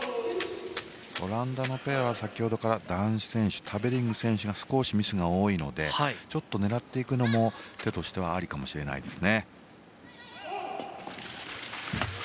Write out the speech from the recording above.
オランダのペアは先ほどから男子のタベリング選手が少しミスが多いのでちょっと狙っていくのも手としてありかもしれないです。